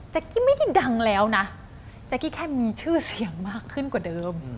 กี้ไม่ได้ดังแล้วนะแจ๊กกี้แค่มีชื่อเสียงมากขึ้นกว่าเดิม